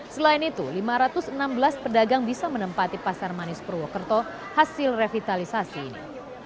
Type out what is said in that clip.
selain itu lima ratus enam belas pedagang bisa menempati pasar manis purwokerto hasil revitalisasi ini